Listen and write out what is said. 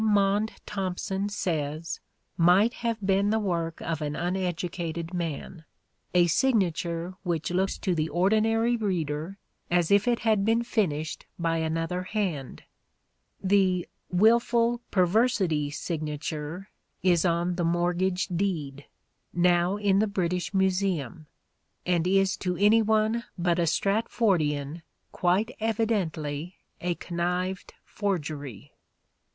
Maunde Thompson says might have been the work of an uneducated man : a signature which looks to the ordinary reader as if it had been finished by another hand. The " wilful perversity " signature is on the mortgage deed, now in the British Museum, and is to any one but a Stratfordian quite evidently a connived forgery.